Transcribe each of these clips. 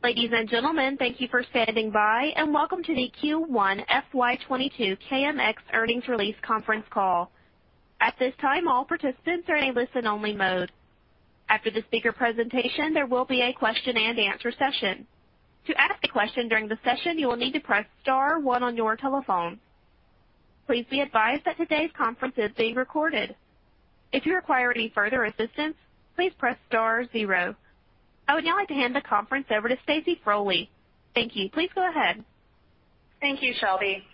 Ladies and gentlemen, thank you for standing by and welcome to the Q1 FY 2022 KMX earnings release conference call. At this time, all participants are in a listen-only mode. After the speaker's presentation, there will be a question-and-answer session. To ask the question during the session, you will need to press star one on your telephone. Please be advised that today's conference is being recorded. If you require any further assistance, please press star zero. I would now like to hand the conference over to Stacy Frole. Thank you. Please go ahead. Thank you, Shelby.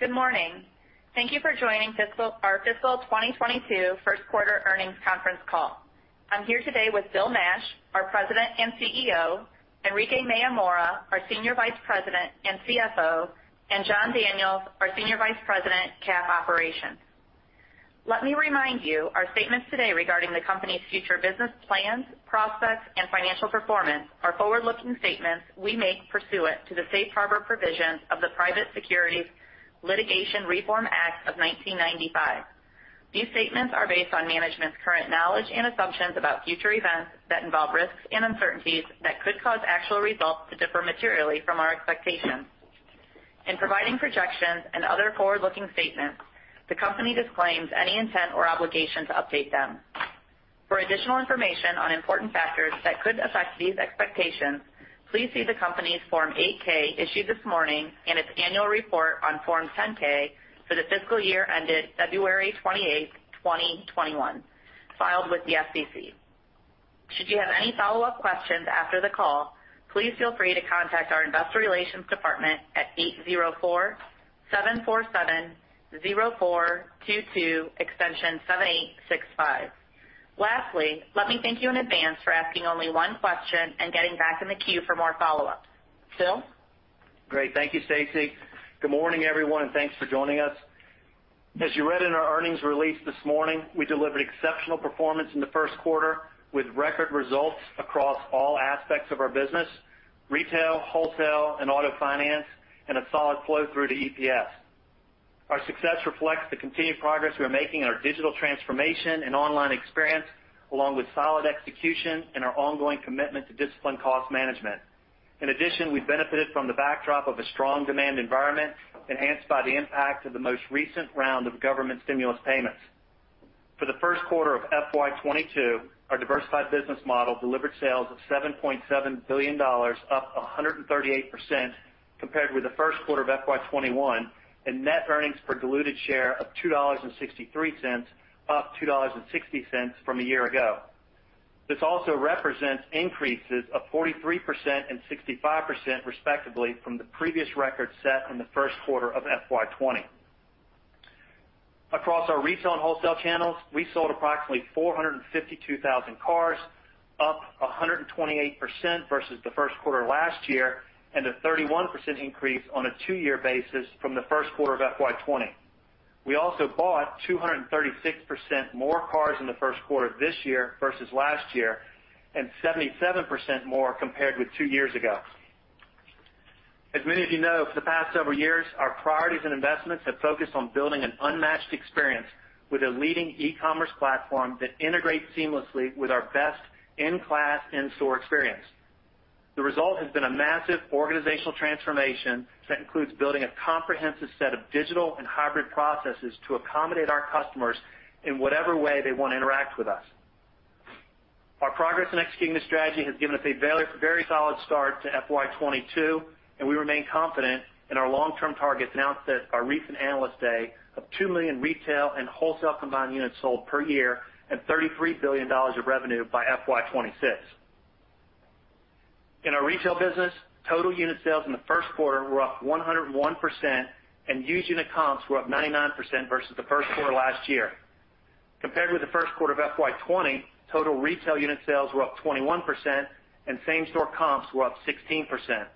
Good morning. Thank you for joining our fiscal 2022 first quarter earnings conference call. I'm here today with Bill Nash, our President and CEO, Enrique Mayor-Mora, our Senior Vice President and CFO, and Jon Daniels, our Senior Vice President, CAF Operations. Let me remind you, our statements today regarding the company's future business plans, prospects, and financial performance are forward-looking statements we make pursuant to the safe harbor provisions of the Private Securities Litigation Reform Act of 1995. These statements are based on management's current knowledge and assumptions about future events that involve risks and uncertainties that could cause actual results to differ materially from our expectations. In providing projections and other forward-looking statements, the company disclaims any intent or obligation to update them. For additional information on important factors that could affect these expectations, please see the company's Form 8-K issued this morning and its annual report on Form 10-K for the fiscal year ended February 28th, 2021, filed with the SEC. Should you have any follow-up questions after the call, please feel free to contact our investor relations department at 804-747-0422, extension 7865. Lastly, let me thank you in advance for asking only one question and getting back in the queue for more follow-ups. Bill? Great. Thank you, Stacy Frole. Good morning, everyone, and thanks for joining us. As you read in our earnings release this morning, we delivered exceptional performance in the first quarter with record results across all aspects of our business, retail, wholesale, and auto finance, and a solid flow through to EPS. Our success reflects the continued progress we're making in our digital transformation and online experience, along with solid execution and our ongoing commitment to disciplined cost management. We benefited from the backdrop of a strong demand environment enhanced by the impact of the most recent round of government stimulus payments. For the first quarter of FY 2022, our diversified business model delivered sales of $7.7 billion, up 138% compared with the first quarter of FY 2021, and net earnings per diluted share of $2.63, up $2.60 from a year ago. This also represents increases of 43% and 65% respectively from the previous record set in the first quarter of FY20. Across our retail and wholesale channels, we sold approximately 452,000 cars, up 128% versus the first quarter last year, and a 31% increase on a two-year basis from the first quarter of FY20. We also bought 236% more cars in the first quarter this year versus last year, and 77% more compared with two years ago. As many of you know, for the past several years, our priorities and investments have focused on building an unmatched experience with a leading e-commerce platform that integrates seamlessly with our best-in-class in-store experience. The result has been a massive organizational transformation that includes building a comprehensive set of digital and hybrid processes to accommodate our customers in whatever way they want to interact with us. Our progress in executing the strategy has given us a very solid start to FY22, and we remain confident in our long-term targets announced at our recent Analyst Day of two million retail and wholesale combined units sold per year and $33 billion of revenue by FY26. In our retail business, total unit sales in the first quarter were up 101%, and used unit comps were up 99% versus the first quarter last year. Compared with the first quarter of FY20, total retail unit sales were up 21%, and same-store comps were up 16%.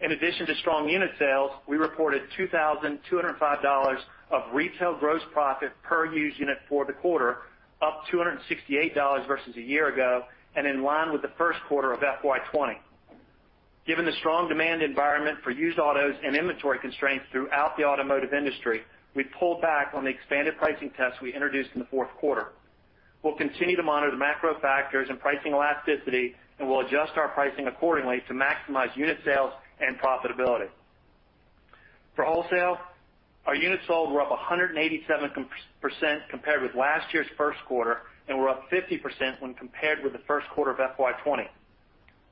In addition to strong unit sales, we reported $2,205 of retail gross profit per used unit for the quarter, up $268 versus a year ago, and in line with the first quarter of FY20. Given the strong demand environment for used autos and inventory constraints throughout the automotive industry, we pulled back on the expanded pricing tests we introduced in the fourth quarter. We'll continue to monitor the macro factors and pricing elasticity, and we'll adjust our pricing accordingly to maximize unit sales and profitability. For wholesale, our units sold were up 187% compared with last year's first quarter, and were up 50% when compared with the first quarter of FY20.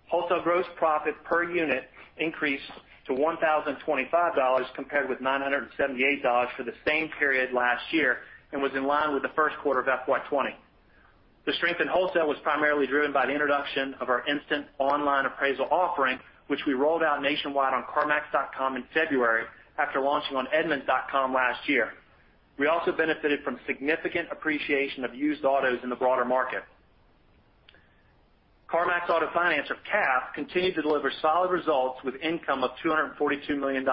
Wholesale gross profit per unit increased to $1,025 compared with $978 for the same period last year and was in line with the first quarter of FY20. The strength in wholesale was primarily driven by the introduction of our instant online appraisal offering, which we rolled out nationwide on carmax.com in February after launching on edmunds.com last year. We also benefited from significant appreciation of used autos in the broader market. CarMax Auto Finance, or CAF, continued to deliver solid results with income of $242 million.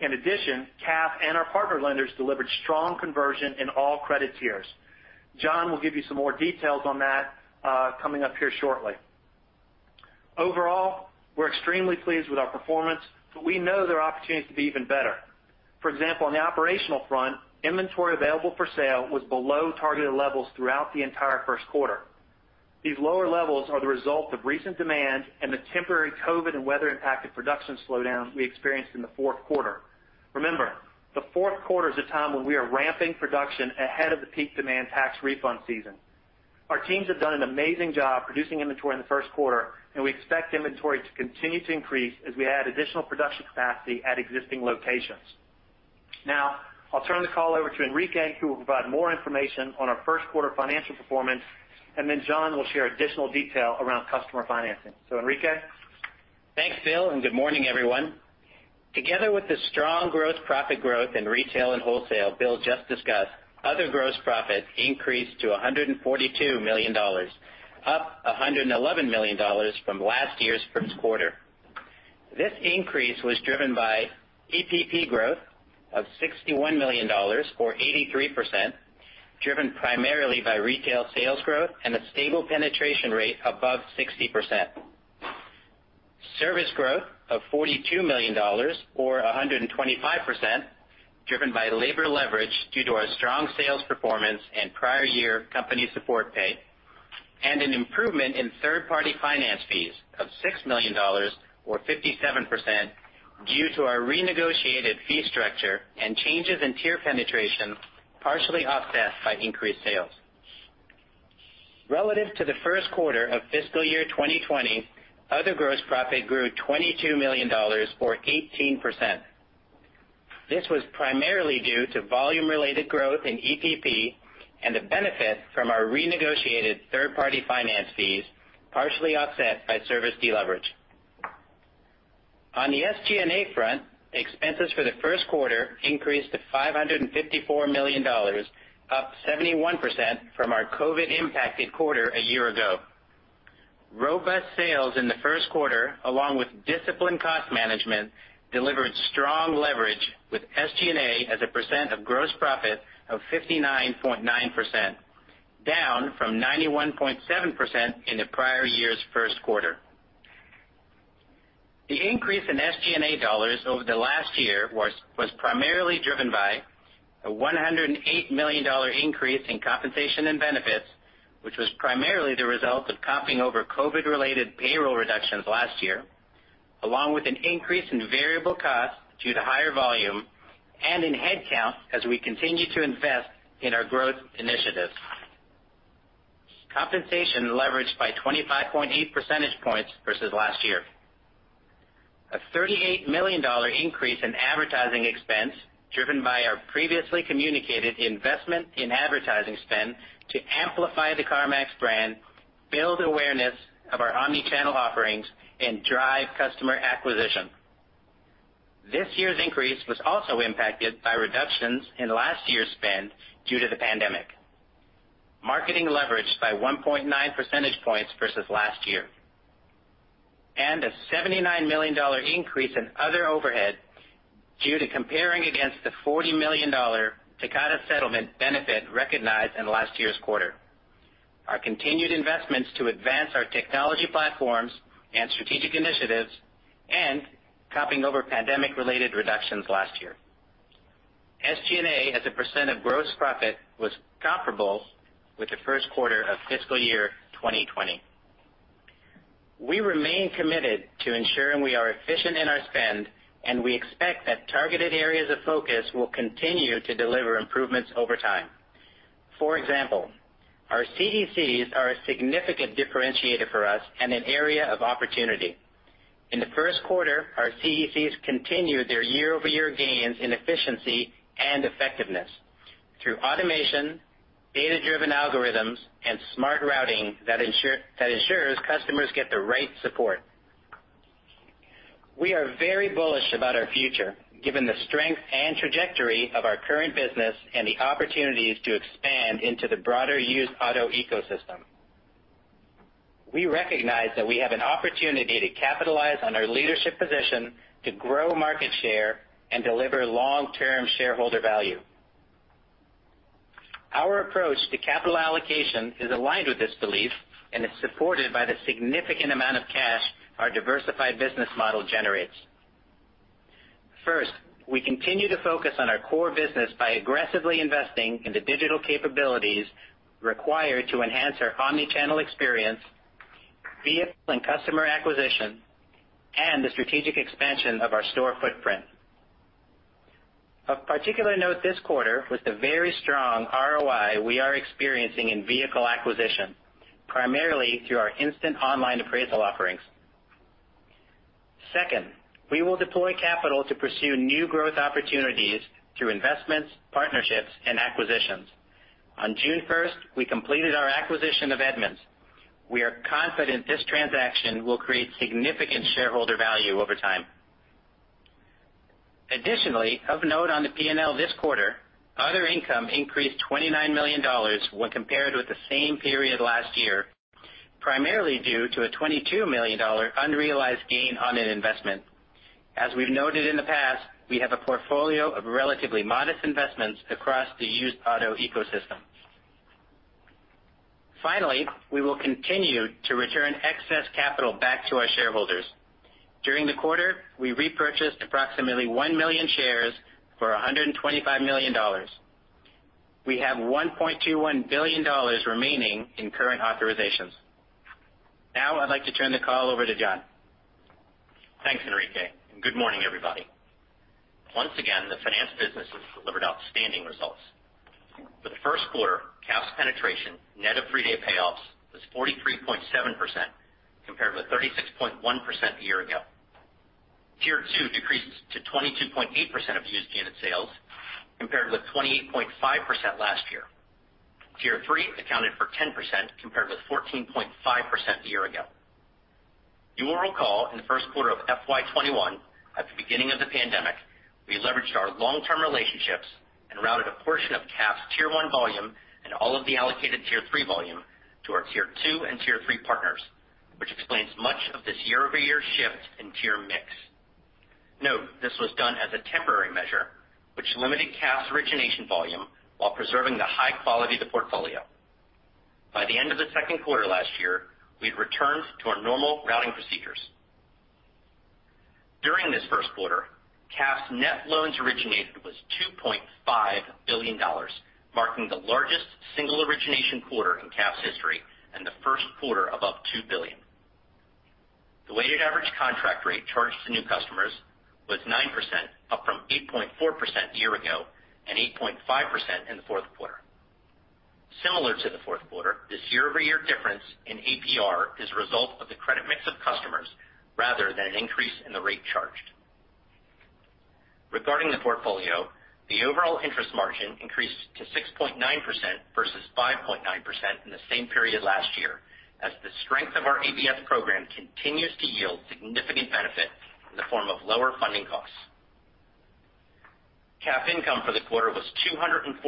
In addition, CAF and our partner lenders delivered strong conversion in all credit tiers. Jon will give you some more details on that coming up here shortly. Overall, we're extremely pleased with our performance, but we know there are opportunities to be even better. For example, on the operational front, inventory available for sale was below targeted levels throughout the entire first quarter. These lower levels are the result of recent demand and the temporary COVID and weather-impacted production slowdown we experienced in the fourth quarter. Remember, the fourth quarter is a time when we are ramping production ahead of the peak demand tax refund season. Our teams have done an amazing job producing inventory in the first quarter, and we expect inventory to continue to increase as we add additional production capacity at existing locations. I'll turn the call over to Enrique, who will provide more information on our first quarter financial performance, and then Jon will share additional detail around customer financing. Enrique. Thanks, Bill, good morning, everyone. Together with the strong gross profit growth in retail and wholesale Bill just discussed, other gross profit increased to $142 million, up $111 million from last year's first quarter. This increase was driven by EPP growth of $61 million or 83%, driven primarily by retail sales growth and a stable penetration rate above 60%. Service growth of $42 million or 125%, driven by labor leverage due to our strong sales performance and prior year company support pay, and an improvement in third-party finance fees of $6 million or 57%, due to our renegotiated fee structure and changes in tier penetration, partially offset by increased sales. Relative to the first quarter of fiscal year 2020, other gross profit grew $22 million or 18%. This was primarily due to volume-related growth in EPP and the benefit from our renegotiated third-party finance fees, partially offset by service fee leverage. On the SG&A front, expenses for the first quarter increased to $554 million, up 71% from our COVID-impacted quarter a year ago. Robust sales in the first quarter, along with disciplined cost management, delivered strong leverage with SG&A as a % of gross profit of 59.9%, down from 91.7% in the prior year's first quarter. The increase in SG&A dollars over the last year was primarily driven by a $108 million increase in compensation and benefits, which was primarily the result of comping over COVID-related payroll reductions last year, along with an increase in variable costs due to higher volume and in headcount as we continue to invest in our growth initiatives. Compensation leveraged by 25.8 percentage points versus last year. A $38 million increase in advertising expense driven by our previously communicated investment in advertising spend to amplify the CarMax brand, build awareness of our omnichannel offerings, and drive customer acquisition. This year's increase was also impacted by reductions in last year's spend due to the pandemic. Marketing leveraged by 1.9 percentage points versus last year. A $79 million increase in other overhead due to comparing against the $40 million Takata settlement benefit recognized in last year's quarter, our continued investments to advance our technology platforms and strategic initiatives, and comping over pandemic-related reductions last year. SG&A as a % of gross profit was comparable with the first quarter of fiscal year 2020. We remain committed to ensuring we are efficient in our spend, and we expect that targeted areas of focus will continue to deliver improvements over time. For example, our CECs are a significant differentiator for us and an area of opportunity. In the first quarter, our CECs continued their year-over-year gains in efficiency and effectiveness through automation, data-driven algorithms, and smart routing that ensures customers get the right support. We are very bullish about our future, given the strength and trajectory of our current business and the opportunities to expand into the broader used auto ecosystem. We recognize that we have an opportunity to capitalize on our leadership position to grow market share and deliver long-term shareholder value. Our approach to capital allocation is aligned with this belief and is supported by the significant amount of cash our diversified business model generates. First, we continue to focus on our core business by aggressively investing in the digital capabilities required to enhance our omnichannel experience, vehicle and customer acquisition, and the strategic expansion of our store footprint. Of particular note this quarter was the very strong ROI we are experiencing in vehicle acquisition, primarily through our instant online appraisal offerings. Second, we will deploy capital to pursue new growth opportunities through investments, partnerships, and acquisitions. On June 1st, we completed our acquisition of Edmunds. We are confident this transaction will create significant shareholder value over time. Additionally, of note on the P&L this quarter, other income increased $29 million when compared with the same period last year, primarily due to a $22 million unrealized gain on an investment. As we've noted in the past, we have a portfolio of relatively modest investments across the used auto ecosystem. We will continue to return excess capital back to our shareholders. During the quarter, we repurchased approximately one million shares for $125 million. We have $1.21 billion remaining in current authorizations. Now I'd like to turn the call over to Jon. Thanks, Enrique. Good morning, everybody. Once again, the finance business has delivered outstanding results. For the first quarter, CAF penetration net of three-day payoffs was 43.7%, compared with 36.1% a year ago. Tier two decreased to 22.8% of used unit sales, compared with 20.5% last year. Tier three accounted for 10% compared to 14.5% a year ago. You will recall in the first quarter of FY 2021, at the beginning of the pandemic, we leveraged our long-term relationships and routed a portion of CAF's tier one volume and all of the allocated tier three volume to our tier two and tier three partners, which explains much of this year-over-year shift in tier mix. Note, this was done as a temporary measure, which limited CAF's origination volume while preserving the high quality of the portfolio. By the end of the second quarter last year, we'd returned to our normal routing procedures. During this first quarter, CAF's net loans originated was $2.5 billion, marking the largest single origination quarter in CAF's history and the first quarter above $2 billion. The weighted average contract rate charged to new customers was 9%, up from 8.4% a year ago and 8.5% in the fourth quarter. Similar to the fourth quarter, this year-over-year difference in APR is a result of the credit mix of customers rather than an increase in the rate charged. Regarding the portfolio, the overall interest margin increased to 6.9% versus 5.9% in the same period last year, as the strength of our ABS program continues to yield significant benefit in the form of lower funding costs. CAF income for the quarter was $242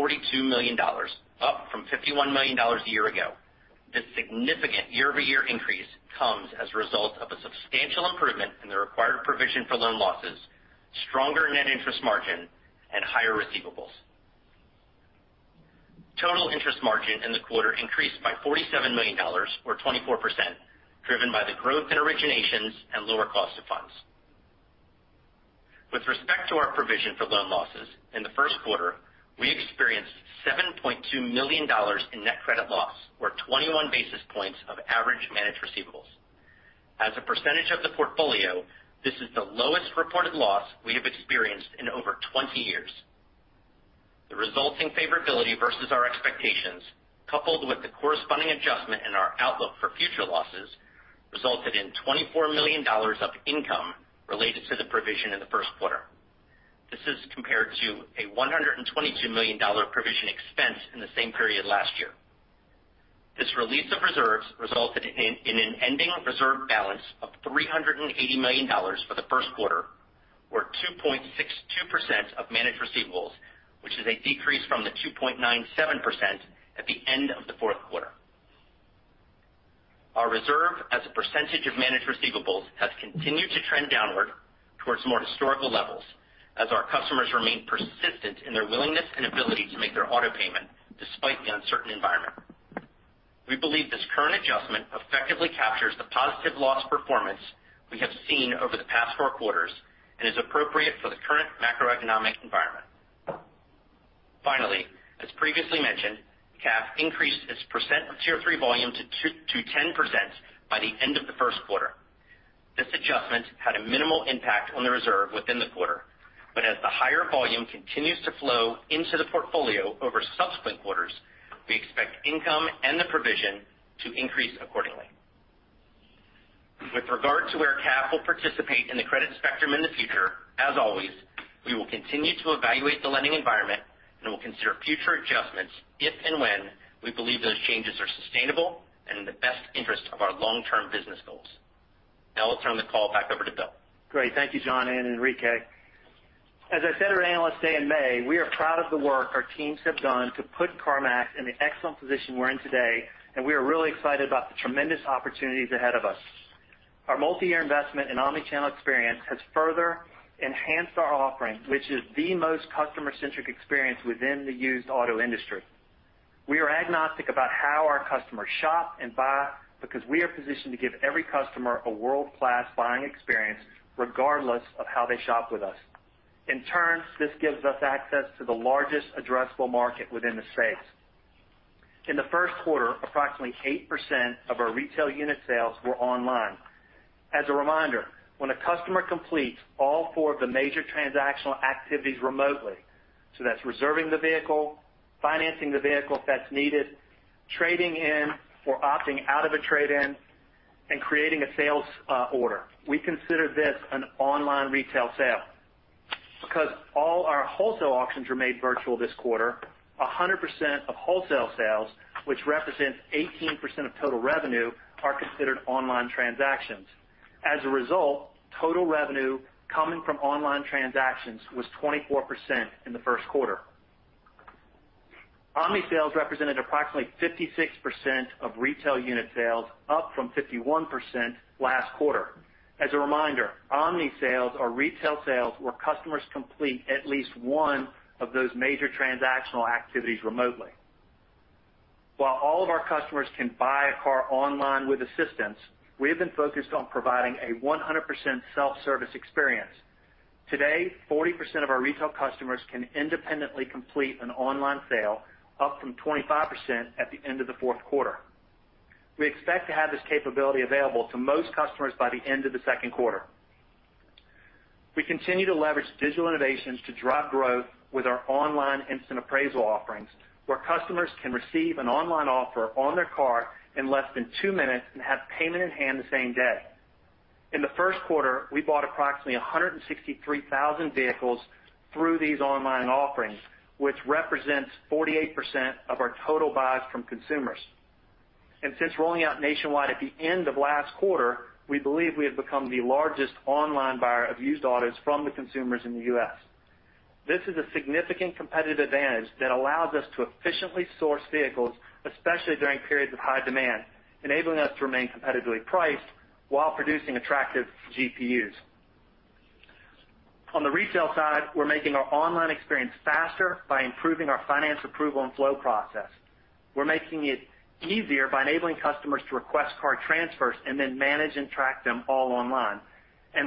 million, up from $51 million a year ago. This significant year-over-year increase comes as a result of a substantial improvement in the required provision for loan losses, stronger net interest margin, and higher receivables. Total interest margin in the quarter increased by $47 million or 24%, driven by the growth in originations and lower cost of funds. With respect to our provision for loan losses, in the first quarter, we experienced $7.2 million in net credit loss, or 21 basis points of average managed receivables. As a percentage of the portfolio, this is the lowest reported loss we have experienced in over 20 years. The resulting favorability versus our expectations, coupled with the corresponding adjustment in our outlook for future losses, resulted in $24 million of income related to the provision in the first quarter. This is compared to a $122 million provision expense in the same period last year. This release of reserves resulted in an ending reserve balance of $380 million for the first quarter, or 2.62% of managed receivables, which is a decrease from the 2.97% at the end of the fourth quarter. Our reserve as a percentage of managed receivables has continued to trend downward towards more historical levels as our customers remain persistent in their willingness and ability to make their auto payment despite the uncertain environment. We believe this current adjustment effectively captures the positive loss performance we have seen over the past four quarters and is appropriate for the current macroeconomic environment. Finally, as previously mentioned, CAF increased its percent of tier three volume to 10% by the end of the first quarter. This adjustment had a minimal impact on the reserve within the quarter. As the higher volume continues to flow into the portfolio over subsequent quarters, we expect income and the provision to increase accordingly. With regard to where CAF will participate in the credit spectrum in the future, as always, we will continue to evaluate the lending environment and will consider future adjustments if and when we believe those changes are sustainable and in the best interest of our long-term business goals. Now I'll turn the call back over to Bill. Great. Thank you, John and Enrique. As I said to analysts in May, we are proud of the work our teams have done to put CarMax in the excellent position we're in today, we are really excited about the tremendous opportunities ahead of us. Our multi-year investment in omnichannel experience has further enhanced our offering, which is the most customer-centric experience within the used auto industry. We are agnostic about how our customers shop and buy because we are positioned to give every customer a world-class buying experience regardless of how they shop with us. In turn, this gives us access to the largest addressable market within the space. In the first quarter, approximately 8% of our retail unit sales were online. As a reminder, when a customer completes all four of the major transactional activities remotely, so that's reserving the vehicle, financing the vehicle if that's needed, trading in or opting out of a trade-in, and creating a sales order, we consider this an online retail sale. Because all our wholesale auctions were made virtual this quarter, 100% of wholesale sales, which represent 18% of total revenue, are considered online transactions. As a result, total revenue coming from online transactions was 24% in the first quarter. Omni sales represented approximately 56% of retail unit sales, up from 51% last quarter. As a reminder, omni-sales are retail sales where customers complete at least one of those major transactional activities remotely. While all of our customers can buy a car online with assistance, we have been focused on providing a 100% self-service experience. Today, 40% of our retail customers can independently complete an online sale, up from 25% at the end of the fourth quarter. We expect to have this capability available to most customers by the end of the second quarter. We continue to leverage digital innovations to drive growth with our online instant appraisal offerings, where customers can receive an online offer on their car in less than two minutes and have payment in hand the same day. In the first quarter, we bought approximately 163,000 vehicles through these online offerings, which represents 48% of our total buys from consumers. Since rolling out nationwide at the end of last quarter, we believe we have become the largest online buyer of used autos from the consumers in the U.S. This is a significant competitive advantage that allows us to efficiently source vehicles, especially during periods of high demand, enabling us to remain competitively priced while producing attractive GPUs. On the retail side, we're making our online experience faster by improving our finance approval and flow process. We're making it easier by enabling customers to request car transfers and then manage and track them all online.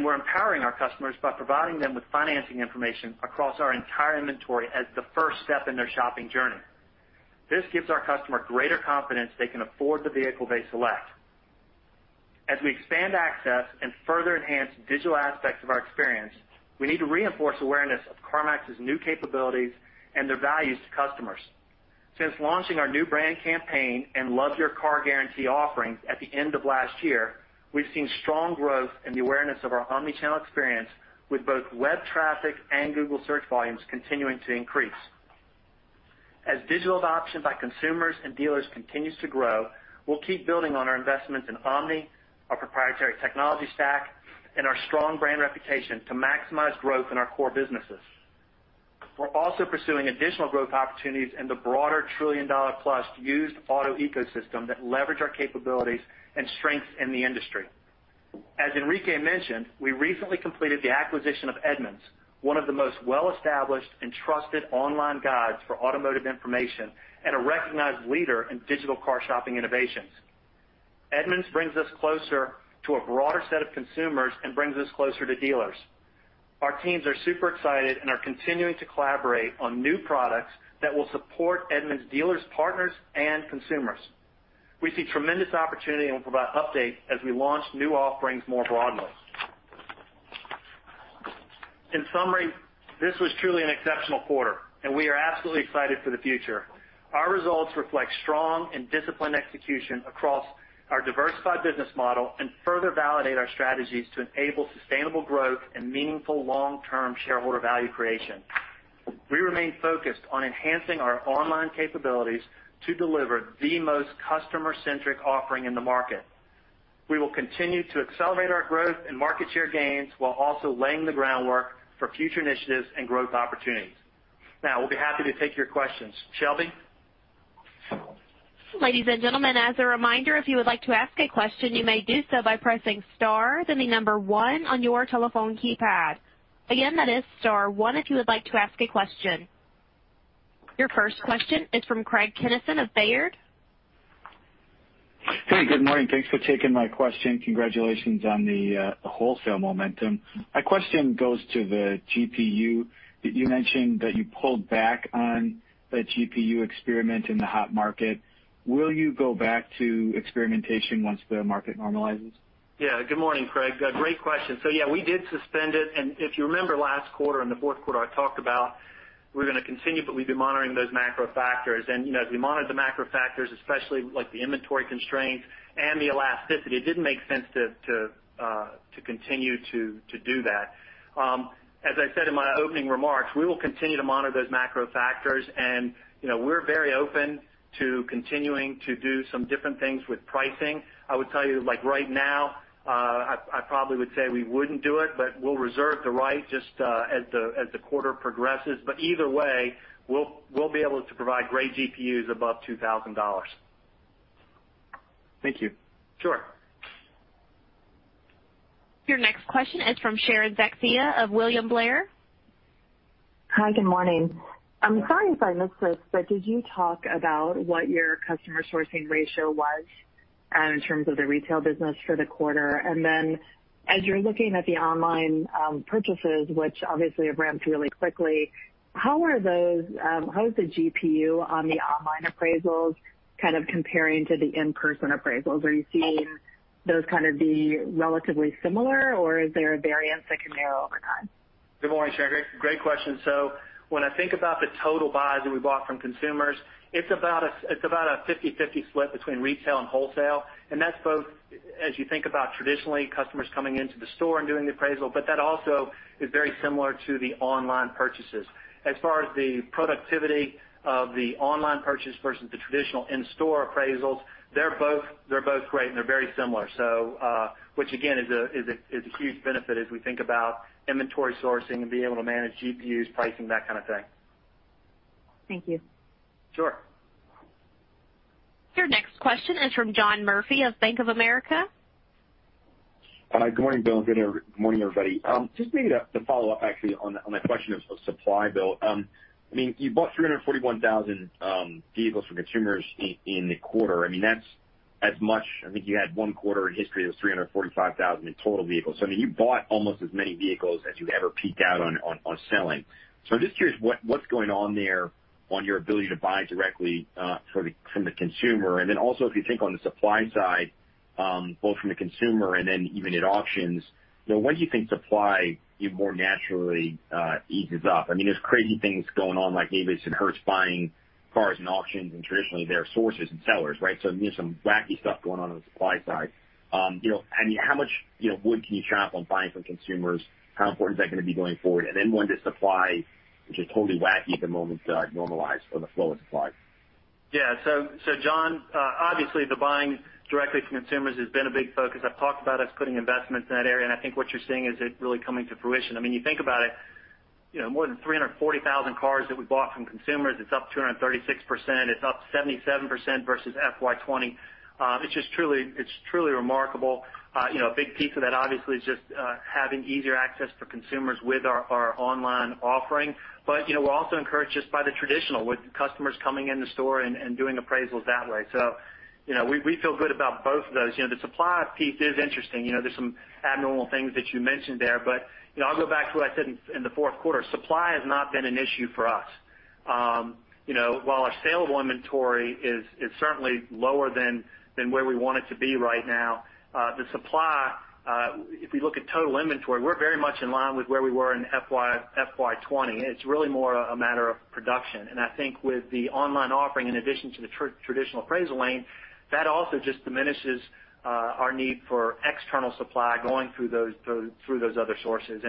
We're empowering our customers by providing them with financing information across our entire inventory as the first step in their shopping journey. This gives our customer greater confidence they can afford the vehicle they select. As we expand access and further enhance digital aspects of our experience, we need to reinforce awareness of CarMax's new capabilities and their value to customers. Since launching our new brand campaign and Love Your Car Guarantee offerings at the end of last year, we've seen strong growth in the awareness of our omnichannel experience with both web traffic and Google Search volumes continuing to increase. As digital adoption by consumers and dealers continues to grow, we'll keep building on our investments in omni, our proprietary technology stack, and our strong brand reputation to maximize growth in our core businesses. We're also pursuing additional growth opportunities in the broader trillion-dollar-plus used auto ecosystem that leverage our capabilities and strengths in the industry. As Enrique mentioned, we recently completed the acquisition of Edmunds, one of the most well-established and trusted online guides for automotive information and a recognized leader in digital car shopping innovations. Edmunds brings us closer to a broader set of consumers and brings us closer to dealers. Our teams are super excited and are continuing to collaborate on new products that will support Edmunds dealers, partners, and consumers. We see tremendous opportunity and will provide updates as we launch new offerings more broadly. In summary, this was truly an exceptional quarter, and we are absolutely excited for the future. Our results reflect strong and disciplined execution across our diversified business model and further validate our strategies to enable sustainable growth and meaningful long-term shareholder value creation. We remain focused on enhancing our online capabilities to deliver the most customer-centric offering in the market. We will continue to accelerate our growth and market share gains while also laying the groundwork for future initiatives and growth opportunities. Now, we'll be happy to take your questions. Shelby? Ladies and gentlemen, as a reminder, if you would like to ask a question, you may do so by pressing star, then the number one on your telephone keypad. Again, that is star one if you would like to ask a question. Your first question is from Craig Kennison of Baird. Hey, good morning. Thanks for taking my question. Congratulations on the wholesale momentum. My question goes to the GPU that you mentioned that you pulled back on the GPU experiment in the hot market. Will you go back to experimentation once the market normalizes? Good morning, Craig. Great question. We did suspend it, and if you remember last quarter, in the fourth quarter, I talked about we're going to continually be monitoring those macro factors. As we monitor the macro factors, especially the inventory constraints and the elasticity, it didn't make sense to continue to do that. As I said in my opening remarks, we will continue to monitor those macro factors, and we're very open to continuing to do some different things with pricing. I would tell you right now, I probably would say we wouldn't do it, but we'll reserve the right just as the quarter progresses. Either way, we'll be able to provide great GPUs above $2,000. Thank you. Sure. Your next question is from Sharon Zackfia of William Blair. Hi, good morning. I'm sorry if I missed this, could you talk about what your customer sourcing ratio was in terms of the retail business for the quarter? As you're looking at the online purchases, which obviously have ramped really quickly, how is the GPU on the online appraisals kind of comparing to the in-person appraisals? Are you seeing those kind of be relatively similar, or is there a variance that can narrow over time? Good morning, Sharon. Great question. When I think about the total buys that we bought from consumers, it's about a 50/50 split between retail and wholesale, and that's both as you think about traditionally customers coming into the store and doing appraisal, but that also is very similar to the online purchases. As far as the productivity of the online purchase versus the traditional in-store appraisals, they're both great, and they're very similar. Which again, is a huge benefit as we think about inventory sourcing and being able to manage GPUs, pricing, that kind of thing. Thank you. Sure. Your next question is from John Murphy of Bank of America. Good morning, Bill. Good morning, everybody. Just to follow up actually on my question on supply, Bill. You bought 341,000 vehicles from consumers in the quarter, that's as much, I think you had 1 quarter in history of 345,000 in total vehicles. You bought almost as many vehicles as you ever peaked out on selling. I'm just curious what's going on there on your ability to buy directly from the consumer. Also, if you think on the supply side, both from the consumer and then even at auctions, when do you think supply more naturally eases up? There's crazy things going on like Avis and Hertz buying cars and auctions traditionally they're sources and sellers, right? There's some wacky stuff going on the supply side. How much wood can you chop on buying from consumers? How important is that going to be going forward? When does supply, which is totally wacky at the moment, normalize from the flow of supply? Yeah. John, obviously the buying directly from consumers has been a big focus. I've talked about us putting investments in that area, and I think what you're seeing is it really coming to fruition. You think about it, more than 340,000 cars that we bought from consumers, it's up 236%, it's up 77% versus FY 2020. It's truly remarkable. A big piece of that, obviously, is just having easier access for consumers with our online offering. We're also encouraged just by the traditional, with customers coming in the store and doing appraisals that way. We feel good about both of those. The supply piece is interesting. There's some abnormal things that you mentioned there. I'll go back to what I said in the fourth quarter. Supply has not been an issue for us. While our saleable inventory is certainly lower than where we want it to be right now, the supply, if you look at total inventory, we're very much in line with where we were in FY20, and it's really more a matter of production. I think with the online offering, in addition to the traditional appraisal lane, that also just diminishes our need for external supply going through those other sources.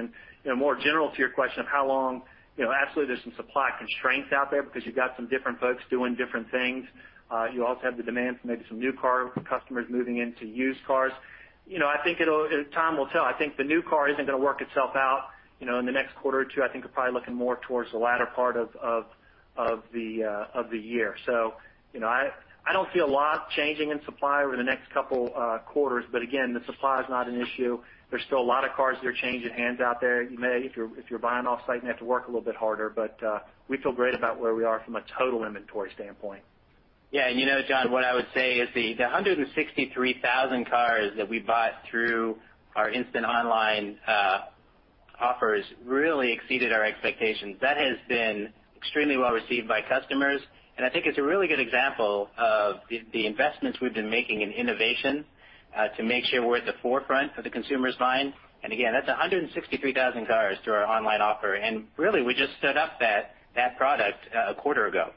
More general to your question, how long, absolutely there's some supply constraints out there because you've got some different folks doing different things. You also have the demand for maybe some new cars, customers moving into used cars. I think time will tell. I think the new car isn't going to work itself out in the next quarter or two. I think you're probably looking more towards the latter part of the year. I don't see a lot changing in supply over the next couple quarters, but again, the supply is not an issue. There's still a lot of cars that are changing hands out there. You may, if you're buying off-site, have to work a little bit harder, but we feel great about where we are from a total inventory standpoint. Yeah. John, what I would say is the 163,000 cars that we bought through our instant online offers really exceeded our expectations. That has been extremely well received by customers, and I think it's a really good example of the investments we've been making in innovation to make sure we're at the forefront of the consumer's mind. Again, that's 163,000 cars through our online offer, and really, we just stood up that product a quarter ago.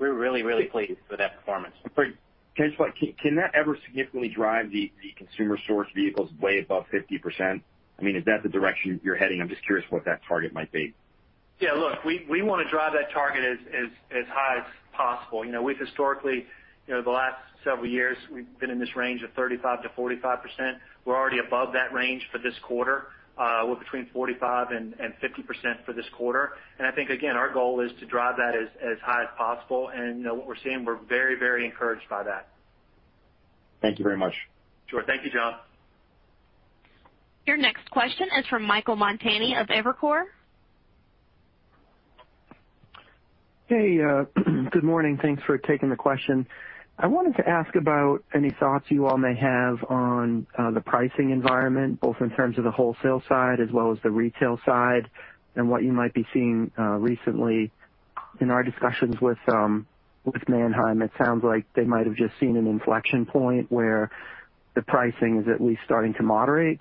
We're really pleased with that performance. Great. Can that ever significantly drive the consumer source vehicles way above 50%? Is that the direction you're heading? I'm just curious what that target might be. Yeah, look, we want to drive that target as high as possible. We've historically, the last several years, we've been in this range of 35%-45%. We're already above that range for this quarter. We're between 45% and 50% for this quarter. I think, again, our goal is to drive that as high as possible, and what we're seeing, we're very, very encouraged by that. Thank you very much. Sure. Thank you, John. Your next question is from Michael Montani of Evercore. Hey, good morning. Thanks for taking the question. I wanted to ask about any thoughts you all may have on the pricing environment, both in terms of the wholesale side as well as the retail side, and what you might be seeing recently. In our discussions with Manheim, it sounds like they might have just seen an inflection point where the pricing is at least starting to moderate.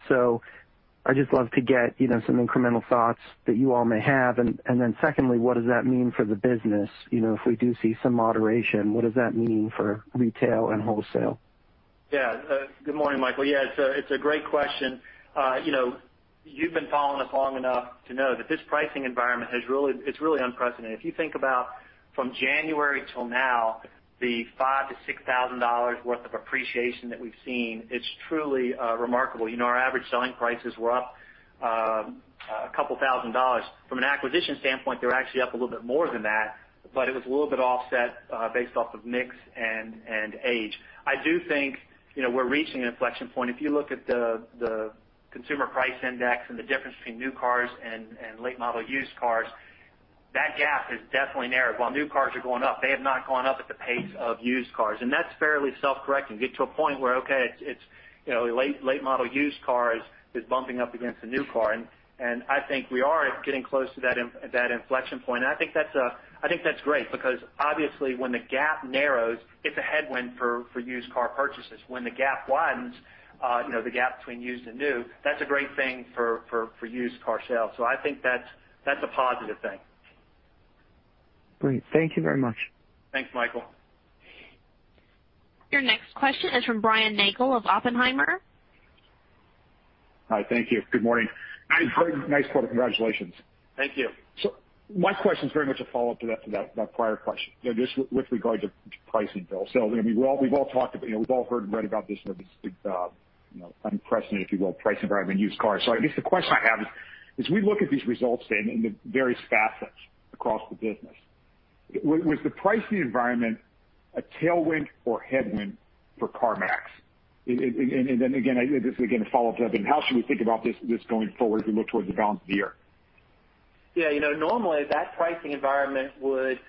I'd just love to get some incremental thoughts that you all may have. Secondly, what does that mean for the business? If we do see some moderation, what does that mean for retail and wholesale? Yeah. Good morning, Michael. Yeah, it's a great question. You've been following us long enough to know that this pricing environment, it's really unprecedented. If you think about from January till now, the $5,000-$6,000 worth of appreciation that we've seen, it's truly remarkable. Our average selling price is well, a couple thousand dollars. From an acquisition standpoint, they're actually up a little bit more than that, but it was a little bit offset based off of mix and age. I do think we're reaching an inflection point. If you look at the consumer price index and the difference between new cars and late model used cars, that gap has definitely narrowed. While new cars are going up, they have not gone up at the pace of used cars. That's fairly self-correcting. Get to a point where, okay, late model used cars is bumping up against a new car. I think we are getting close to that inflection point. I think that's great because obviously when the gap narrows, it's a headwind for used car purchases. When the gap widens, the gap between used and new, that's a great thing for used car sales. I think that's a positive thing. Great. Thank you very much. Thanks, Michael. Your next question is from Brian Nagel of Oppenheimer. Hi, thank you. Good morning. Great, nice quarter. Congratulations. Thank you. My question is very much a follow-up to that prior question, just with regard to pricing, Bill. We've all heard and read about this unprecedented, if you will, pricing environment in used cars. I guess the question I have is, we look at these results today and the various facets across the business. Was the pricing environment a tailwind or headwind for CarMax? Again, this is again a follow-up to, I mean, how should we think about this going forward as we look towards the balance of the year? Yeah. Normally, that pricing environment would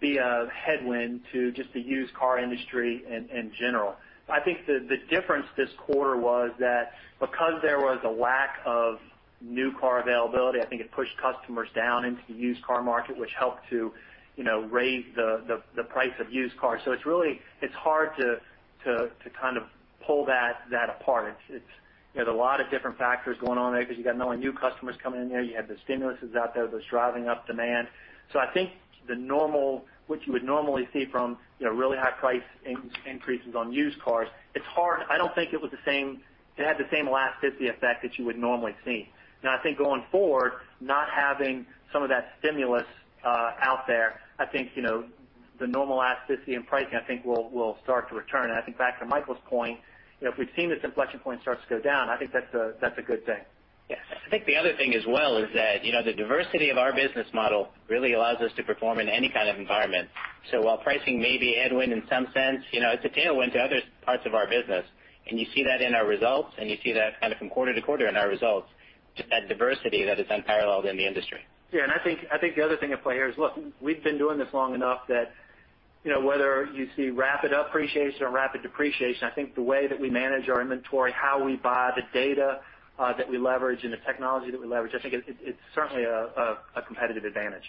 be a headwind to just the used car industry in general. I think the difference this quarter was that because there was a lack of new car availability, I think it pushed customers down into the used car market, which helped to raise the price of used cars. It's hard to pull that apart. There's a lot of different factors going on there because you've got new customers coming in there. You have the stimulus that's out there that's driving up demand. I think what you would normally see from really high price increases on used cars, it had the same elasticity effect that you would normally see. Going forward, not having some of that stimulus out there, I think, the normal elasticity in pricing, I think will start to return. I think back to Michael's point, if we've seen this inflection point start to go down, I think that's a good thing. Yes. I think the other thing as well is that the diversity of our business model really allows us to perform in any kind of environment. While pricing may be a headwind in some sense, it's a tailwind to other parts of our business. You see that in our results, and you see that kind of from quarter to quarter in our results, just that diversity that is unparalleled in the industry. Yeah, I think the other thing at play here is, look, we've been doing this long enough that, whether you see rapid appreciation or rapid depreciation, I think the way that we manage our inventory, how we buy, the data that we leverage and the technology that we leverage, I think it's certainly a competitive advantage.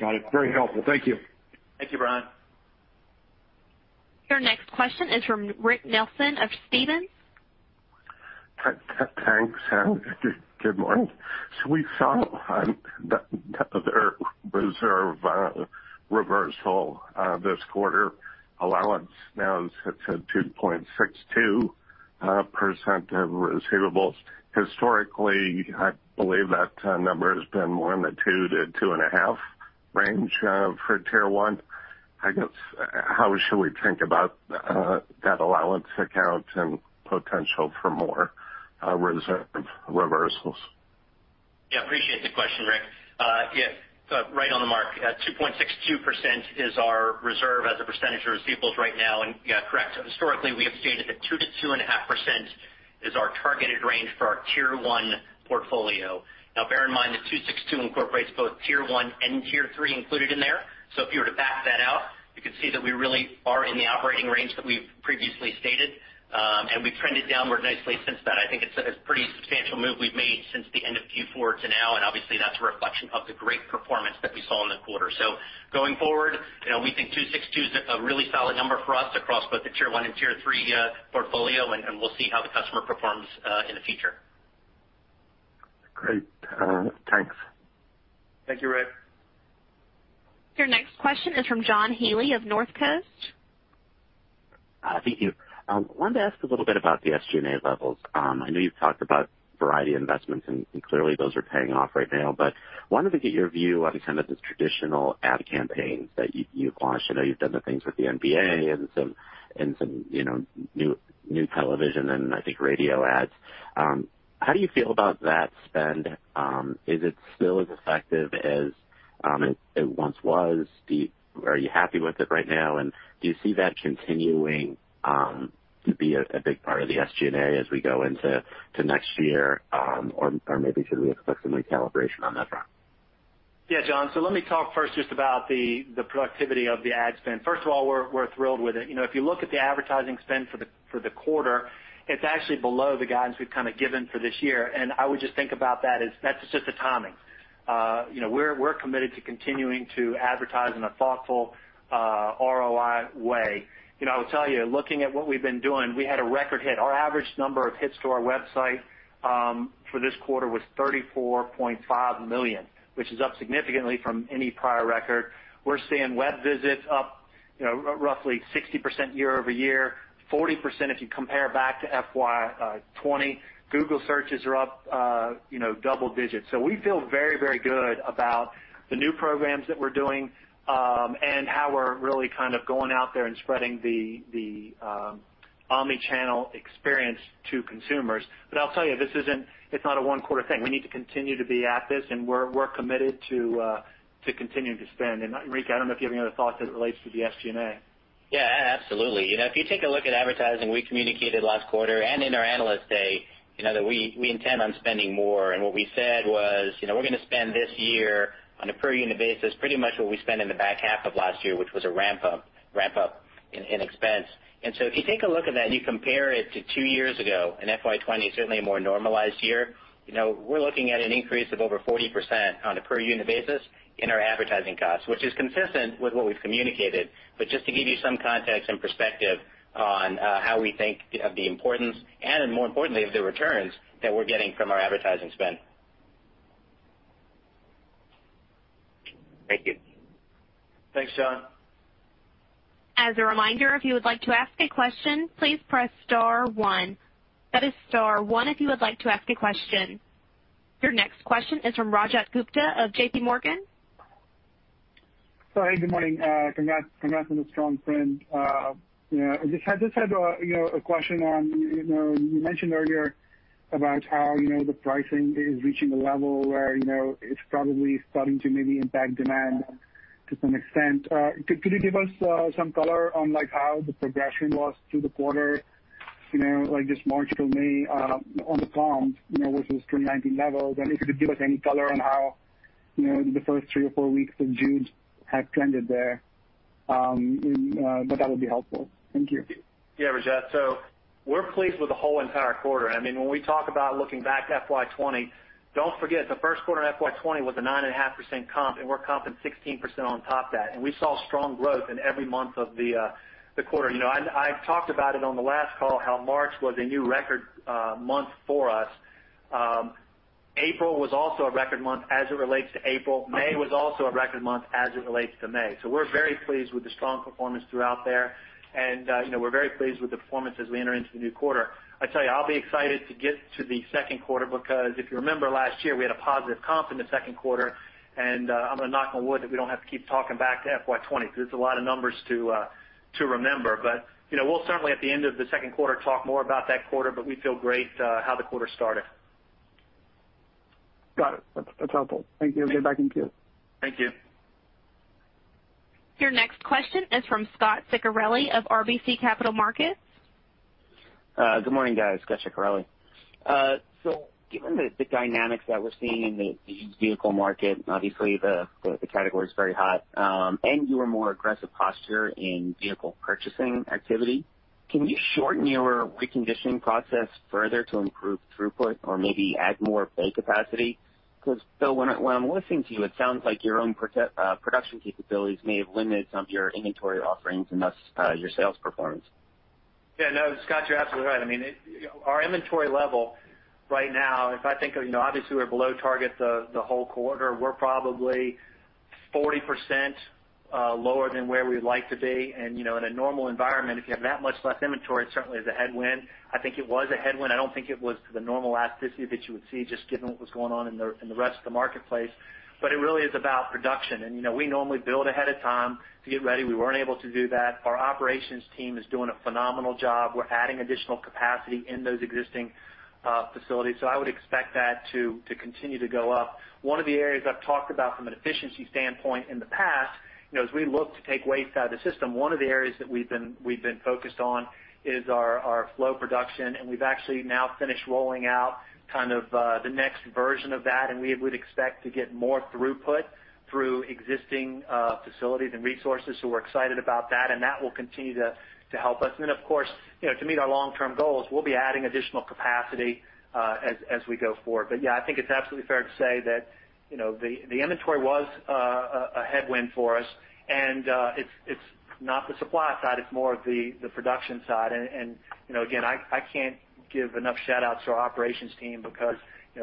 Got it. Very helpful. Thank you. Thank you, Brian. Your next question is from Rick Nelson of Stephens. Thanks, good morning. We saw the reserve reversal this quarter, allowance now is at a 2.62% of receivables. Historically, I believe that number has been more in the 2%-2.5% range for tier one. I guess, how should we think about that allowance account and potential for more reserve reversals? Yeah. Appreciate the question, Rick. Right on the mark. 2.62% is our reserve as a percentage of receivables right now. Correct. Historically, we have stated that 2%-2.5% is our targeted range for our tier one portfolio. Now bear in mind that 2.62 incorporates both tier one and tier three included in there. If you were to back that out, you could see that we really are in the operating range that we've previously stated. We've trended downward nicely since that. I think it's a pretty substantial move we've made since the end of Q4 to now, and obviously that's a reflection of the great performance that we saw in the quarter. Going forward, we think 2.62 is a really solid number for us across both the tier one and tier three portfolio, and we'll see how the customer performs in the future. Great. Thanks. Thank you, Rick. Your next question is from John Healy of Northcoast. Thank you. I wanted to ask a little bit about the SG&A levels. I know you've talked about variety investments, and clearly those are paying off right now, but wanted to get your view on kind of the traditional ad campaigns that you've launched. I know you've done the things with the NBA and some new television and I think radio ads. How do you feel about that spend? Is it still as effective as it once was? Are you happy with it right now, and do you see that continuing to be a big part of the SG&A as we go into next year? Or maybe should we expect some recalibration on that front? Yeah, John. Let me talk first just about the productivity of the ad spend. First of all, we're thrilled with it. If you look at the advertising spend for the quarter, it's actually below the guidance we've kind of given for this year. I would just think about that as that's just the timing. We're committed to continuing to advertise in a thoughtful ROI way. I'll tell you, looking at what we've been doing, we had a record hit. Our average number of hits to our website for this quarter was 34.5 million, which is up significantly from any prior record. We're seeing web visits up roughly 60% year-over-year, 40% if you compare back to FY 2020. Google searches are up double digits. We feel very, very good about the new programs that we're doing, and how we're really kind of going out there and spreading the omni-channel experience to consumers. I'll tell you, it's not a one-quarter thing. We need to continue to be at this, and we're committed to continuing to spend. Rick, I don't know if you have any other thoughts as it relates to the SG&A. Yeah, absolutely. If you take a look at advertising, we communicated last quarter and in our Analyst Day, that we intend on spending more, and what we said was, we're going to spend this year on a per unit basis, pretty much what we spent in the back half of last year, which was a ramp up in expense. If you take a look at that and you compare it to two years ago, FY 2020 is certainly a more normalized year, we're looking at an increase of over 40% on a per unit basis in our advertising costs, which is consistent with what we've communicated. Just to give you some context and perspective on how we think of the importance and more importantly, of the returns that we're getting from our advertising spend. Thank you. Thanks, John. As a reminder, if you would like to ask a question, please press star one. That is star one if you would like to ask a question. Your next question is from Rajat Gupta of JPMorgan. Sorry, good morning. Congrats on the strong print. I just had a question on, you mentioned earlier about how the pricing is reaching a level where it's probably starting to maybe impact demand to some extent. Could you give us some color on how the progression was through the quarter? Like just March to May on the comps, which was pre-19 levels? If you could give us any color on how the first three or four weeks of June have trended there, that would be helpful. Thank you. Yeah, Rajat. We're pleased with the whole entire quarter. When we talk about looking back FY 2020, don't forget the first quarter of FY 2020 was a 9.5% comp. We're comping 16% on top that. We saw strong growth in every month of the quarter. I talked about it on the last call, how March was a new record month for us. April was also a record month as it relates to April. May was also a record month as it relates to May. We're very pleased with the strong performance throughout there. We're very pleased with the performance as we enter into the new quarter. I tell you, I'll be excited to get to the second quarter because if you remember last year, we had a positive comp in the second quarter, and I'm going to knock on wood that we don't have to keep talking back to FY 2020 because there's a lot of numbers to remember. We'll certainly at the end of the second quarter, talk more about that quarter, but we feel great how the quarter started. Got it. That's helpful. Thank you. Yeah, thank you. Your next question is from Scot Ciccarelli of RBC Capital Markets. Good morning, guys. Scot Ciccarelli. Given the dynamics that we're seeing in the used vehicle market, obviously the category's very hot, and your more aggressive posture in vehicle purchasing activity, can you shorten your reconditioning process further to improve throughput or maybe add more bay capacity? Bill Nash, when I'm listening to you, it sounds like your own production capabilities may have limited some of your inventory offerings and thus your sales performance. Yeah, no, Scot, you're absolutely right. Our inventory level right now, if I think, obviously we're below target the whole quarter. We're probably 40% lower than where we'd like to be. In a normal environment, if you have that much less inventory, certainly is a headwind. I think it was a headwind. I don't think it was the normal elasticity that you would see just given what was going on in the rest of the marketplace. It really is about production. We normally build ahead of time to get ready. We weren't able to do that. Our operations team is doing a phenomenal job. We're adding additional capacity in those existing facilities. I would expect that to continue to go up. One of the areas I've talked about from an efficiency standpoint in the past, as we look to take waste out of the system, one of the areas that we've been focused on is our flow production, and we've actually now finished rolling out kind of the next version of that, and we would expect to get more throughput through existing facilities and resources. We're excited about that, and that will continue to help us. Of course, to meet our long-term goals, we'll be adding additional capacity as we go forward. Yeah, I think it's absolutely fair to say that the inventory was a headwind for us, and it's not the supply side, it's more of the production side. Again, I can't give enough shout-outs to our operations team because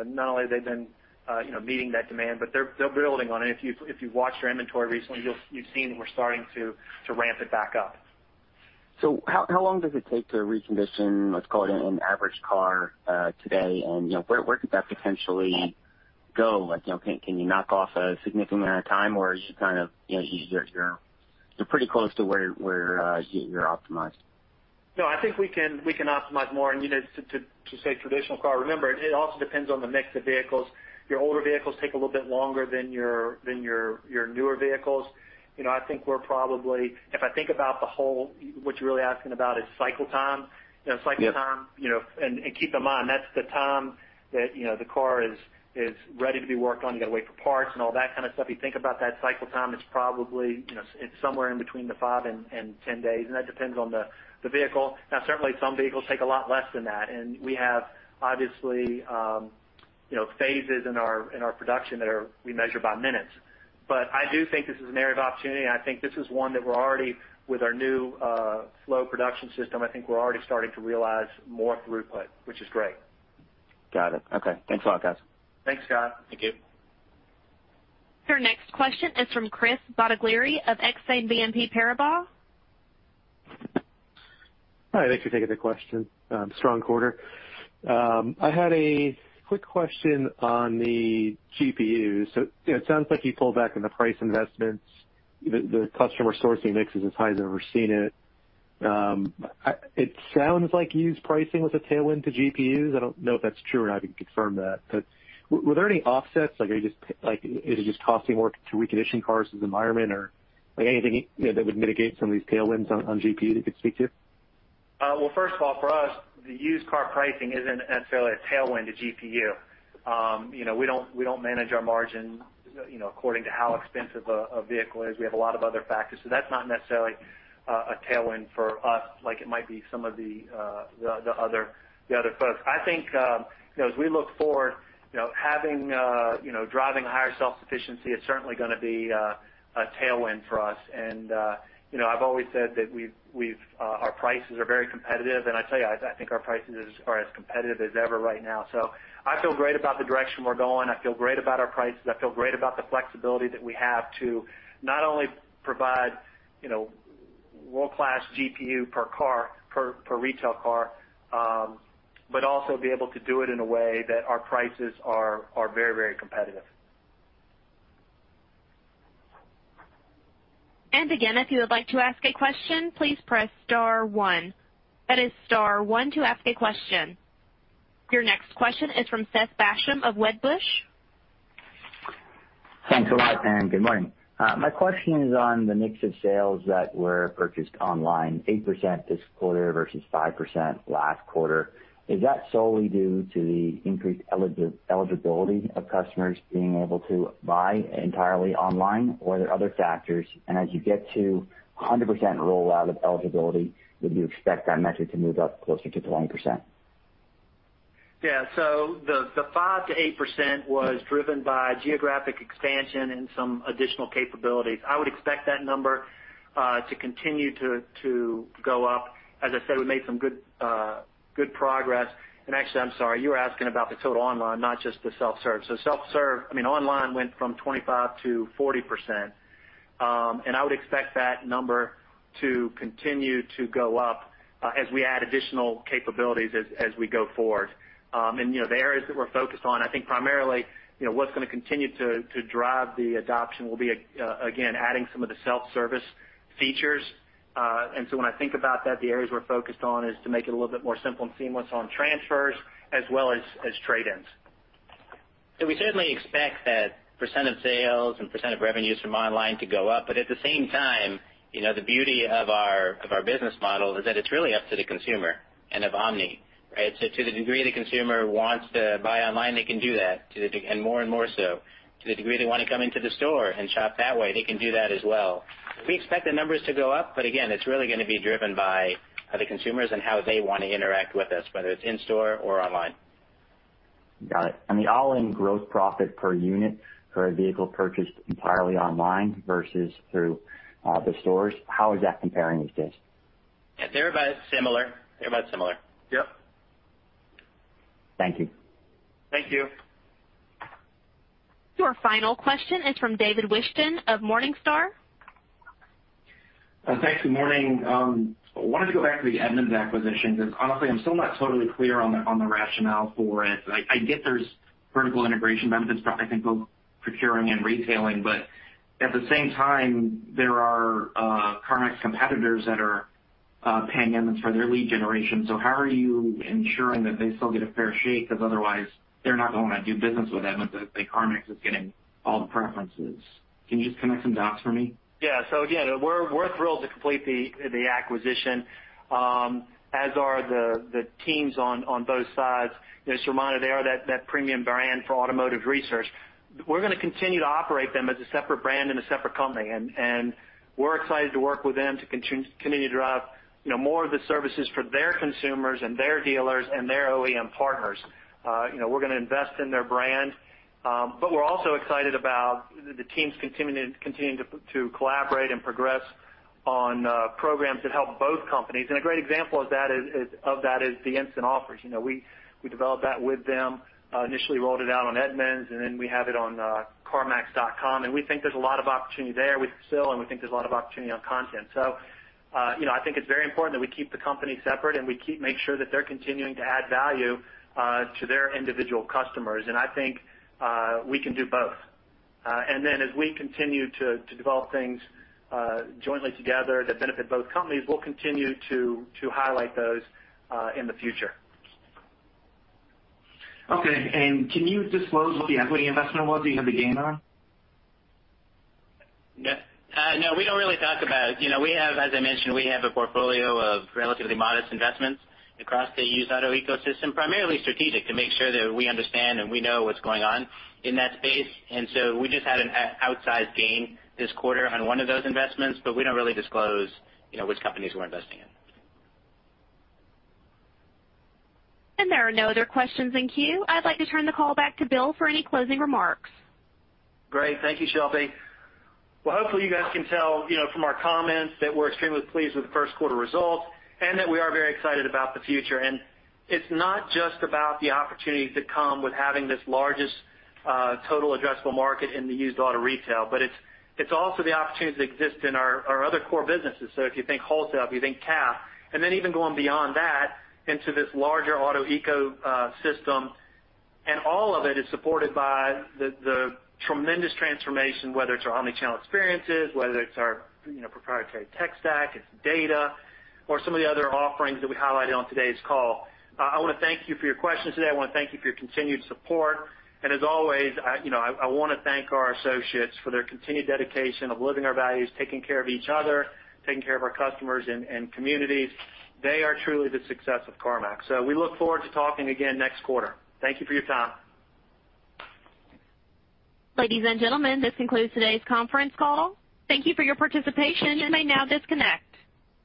not only have they been meeting that demand, but they're building on it. If you've watched our inventory recently, you've seen we're starting to ramp it back up. How long does it take to recondition, let's call it an average car today, and where could that potentially go? Can you knock off a significant amount of time, or is it just kind of you're pretty close to where you're optimized? I think we can optimize more. To say traditional car, remember, it also depends on the mix of vehicles. Your older vehicles take a little bit longer than your newer vehicles. If I think about the whole, what you're really asking about is cycle time. Yes. Keep in mind, that's the time that the car is ready to be worked on, you got to wait for parts and all that kind of stuff. You think about that cycle time, it's probably somewhere in between the five and 10 days. That depends on the vehicle. Now, certainly some vehicles take a lot less than that. We have obviously phases in our production that we measure by minutes. I do think this is an area of opportunity. I think this is one that we're already with our new flow production system, I think we're already starting to realize more throughput, which is great. Got it. Okay. Thanks a lot, guys. Thanks, Scot. Thank you. Your next question is from Chris Bottiglieri of BNP Paribas Exane. Hi, thank you for taking the question. Strong quarter. I had a quick question on the GPUs. It sounds like you pulled back on the price investments. The customer sourcing mix is as high as I've ever seen it. It sounds like used pricing was a tailwind to GPUs. I don't know if that's true or not, you can confirm that. Were there any offsets? Is it just costing more to recondition cars as environment or anything that would mitigate some of these tailwinds on GPU you could speak to? First of all, for us, the used car pricing isn't necessarily a tailwind to GPU. We don't manage our margin according to how expensive a vehicle is. We have a lot of other factors. That's not necessarily a tailwind for us like it might be some of the other folks. I think as we look forward, driving higher self-sufficiency is certainly going to be a tailwind for us. I've always said that our prices are very competitive. I tell you, I think our pricing is as far as competitive as ever right now. I feel great about the direction we're going. I feel great about our pricing. I feel great about the flexibility that we have to not only provide world-class GPU per retail car, but also be able to do it in a way that our prices are very competitive. Again, if you would like to ask a question, please press star one. That is star one to ask a question. Your next question is from Seth Basham of Wedbush. Thanks a lot, good morning. My question is on the mix of sales that were purchased online, 8% this quarter versus 5% last quarter. Is that solely due to the increased eligibility of customers being able to buy entirely online, or are there other factors? As you get to 100% rollout of eligibility, would you expect that metric to move up closer to 20%? Yeah. The 5%-8% was driven by geographic expansion and some additional capabilities. I would expect that number to continue to go up. As I said, we made some good progress. Actually, I'm sorry, you're asking about the total online, not just the self-serve. Online went from 25%-40%, and I would expect that number to continue to go up as we add additional capabilities as we go forward. The areas that we're focused on, I think primarily, what's going to continue to drive the adoption will be, again, adding some of the self-service features. When I think about that, the areas we're focused on is to make it a little bit more simple and seamless on transfers as well as trade-ins. We certainly expect that percent of sales and percent of revenues from online to go up. At the same time, the beauty of our business model is that it's really up to the consumer and of omni. To the degree the consumer wants to buy online, they can do that, and more and more so. To the degree they want to come into the store and shop that way, they can do that as well. We expect the numbers to go up. Again, it's really going to be driven by the consumers and how they want to interact with us, whether it's in-store or online. Got it. The all-in gross profit per unit per vehicle purchased entirely online versus through the stores, how is that comparing to this? Yeah. They're about similar. Thank you. Thank you. Your final question is from David Whiston of Morningstar. Thanks. Good morning. I wanted to go back to the Edmunds acquisition. Honestly, I'm still not totally clear on the rationale for it. I get there's vertical integration benefits. I think both procuring and retailing. At the same time, there are CarMax competitors that are paying Edmunds for their lead generation. How are you ensuring that they still get a fair shake? Otherwise, they're not going to do business with Edmunds if CarMax is getting all the preferences. Can you just connect some dots for me? Yeah. Again, we're thrilled to complete the acquisition, as are the teams on both sides. As you know, they own that premium brand for automotive research. We're going to continue to operate them as a separate brand and a separate company, and we're excited to work with them to continue to drive more of the services for their consumers and their dealers and their OEM partners. We're going to invest in their brand. We're also excited about the teams continuing to collaborate and progress on programs to help both companies. A great example of that is the instant offers. We developed that with them, initially rolled it out on Edmunds, and then we have it on carmax.com. We think there's a lot of opportunity there still, and we think there's a lot of opportunity on content. I think it's very important that we keep the company separate and we make sure that they're continuing to add value to their individual customers. I think we can do both. As we continue to develop things jointly together that benefit both companies, we'll continue to highlight those in the future. Okay. Can you disclose what the equity investment was? Do you have a gain on? No, we don't really talk about. As I mentioned, we have a portfolio of relatively modest investments across the used auto ecosystem, primarily strategic to make sure that we understand and we know what's going on in that space. We just had an outsized gain this quarter on one of those investments, but we don't really disclose which companies we're investing in. There are no other questions in queue. I'd like to turn the call back to Bill for any closing remarks. Great. Thank you, Shelby. Hopefully, you guys can tell from our comments that we're extremely pleased with the first quarter results and that we are very excited about the future. It's not just about the opportunities that come with having this largest total addressable market in the used auto retail, but it's also the opportunities that exist in our other core businesses. If you think wholesale, if you think CAF, and then even going beyond that into this larger auto ecosystem, and all of it is supported by the tremendous transformation, whether it's our omnichannel experiences, whether it's our proprietary tech stack, it's data, or some of the other offerings that we highlighted on today's call. I want to thank you for your questions today. I want to thank you for your continued support. As always, I want to thank our associates for their continued dedication of living our values, taking care of each other, taking care of our customers and communities. They are truly the success of CarMax. We look forward to talking again next quarter. Thank you for your time. Ladies and gentlemen, this concludes today's conference call. Thank you for your participation. You may now disconnect.